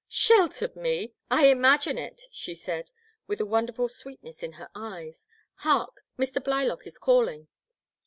'* Sheltered me! I imagine it !she said, with a wonderful sweetness in her eyes. Hark ! Mr. Blylock is calling